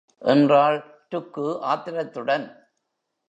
என்றாள் ருக்கு ஆத்திரத்துடன்.